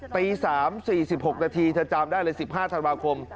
ตี๓๔๖นาทีเธอจำได้เลย๑๕ธันวาคม